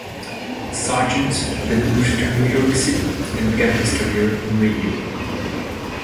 Sargent then moved to New York City and began his career in radio.